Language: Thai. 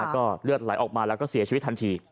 ก็เลือดไหลออกมาแล้วก็เสียชีวิตทันที